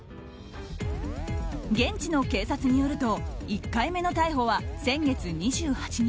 現地の警察によると１回目の逮捕は先月２８日。